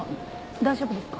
大丈夫ですか？